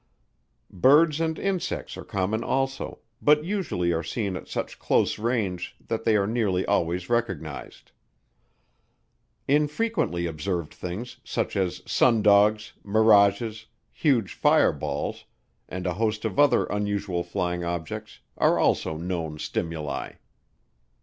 Birds and insects are common also, but usually are seen at such close range that they are nearly always recognized. Infrequently observed things, such as sundogs, mirages, huge fireballs, and a host of other unusual flying objects, are also known stimuli.